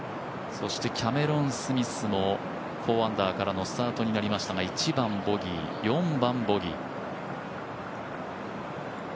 そしてキャメロン・スミスも４アンダーからのスタートになりましたが、１番ボギー、４番ボギー。